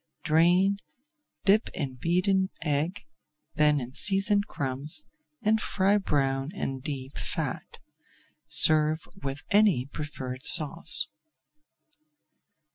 Drain, dip in beaten egg, then in seasoned crumbs, and fry brown in deep fat. Serve with any preferred sauce.